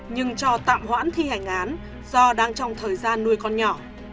nhưng cho tạm hoãn thi hành án do đang trong thời gian nuôi con nhỏ